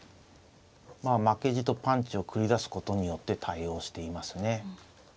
まあ負けじとパンチを繰り出すことによって対応していますね。